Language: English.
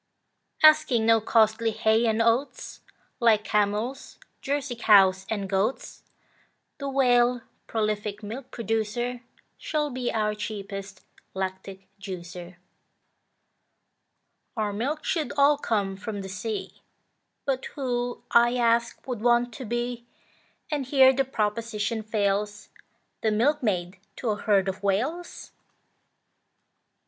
Asking no costly hay and oats, Like camels, Jersey cows, and goats, The Whale, prolific milk producer, Should be our cheapest lactic juicer. Our milk should all come from the sea, But who, I ask, would want to be, And here the proposition fails, The milkmaid to a herd of Whales?